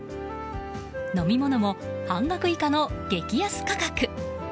飲み物も半額以下の激安価格。